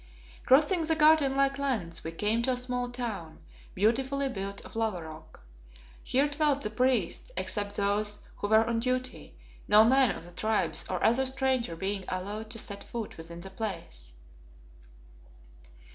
Crossing the garden like lands, we came to a small town beautifully built of lava rock. Here dwelt the priests, except those who were on duty, no man of the Tribes or other stranger being allowed to set foot within the place.